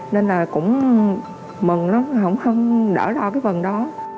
nên là cũng mừng lắm cũng không đỡ lo cái phần đó